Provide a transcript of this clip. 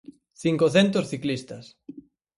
Cincocentos ciclistas.